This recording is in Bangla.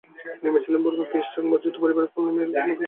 তিনি ছিলেন বুরগার খ্রিস্টান অভিজাত পরিবারের পল নেলের একমাত্র কন্যা।